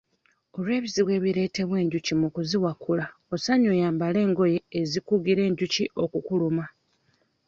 Olw'ebizibu ebireetebwa enjuki mu kuziwakula osaanye oyambale engoye ezikugira enjuki okukuluma.